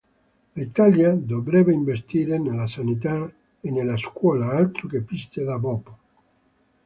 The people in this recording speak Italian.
L'Italia dovrebbe investire nella sanità e nella scuola, altro che piste da bob!